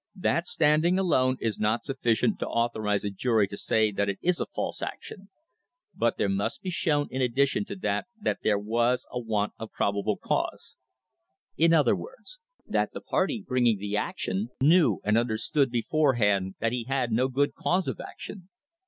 That standing alone is not sufficient to authorise a jury to say that it is a false action, but there must be shown in addition to that that there was a want of probable cause; in other words, that the party bring ing the action knew and understood beforehand that he had no good cause of action.